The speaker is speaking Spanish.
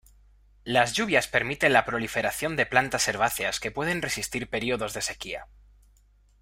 Las lluvias permiten la proliferación de plantas herbáceas que pueden resistir períodos de sequía.